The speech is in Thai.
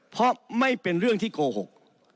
เพราะไม่เป็นเรื่องที่โกหก